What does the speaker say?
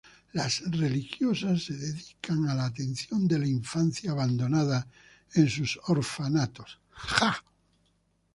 Las religiosas se dedican a la atención de la infancia abandonada en sus orfanatos.